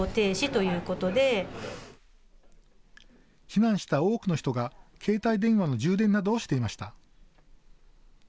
避難した多くの人が携帯電話の充電などをしていました。